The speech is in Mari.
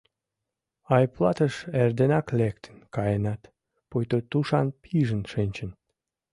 Айплатыш эрденак лектын каенат, пуйто тушан пижын шинчын.